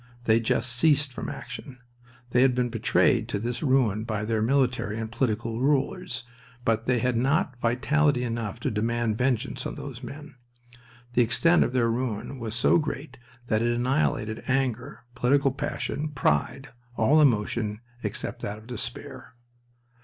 They just ceased from action. They had been betrayed to this ruin by their military and political rulers, but they had not vitality enough to demand vengeance on those men. The extent of their ruin was so great that it annihilated anger, political passion, pride, all emotion except that of despair.